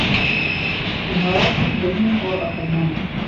نہایت ہی ذہین اور عقل مند